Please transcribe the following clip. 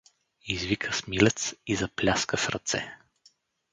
— извика Смилец и запляска с ръце.